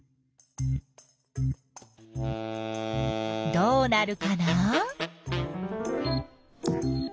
どうなるかな？